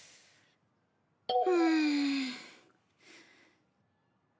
うん。